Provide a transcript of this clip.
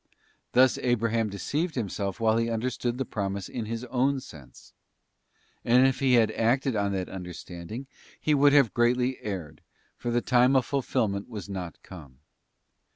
Thus Abraham deceived himself while he understood the promise in his own sense. And if he had then acted on that understanding, he would have greatly erred, for the time of fulfilment was not come.